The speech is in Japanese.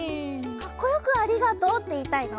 かっこよく「ありがとう」っていいたいの？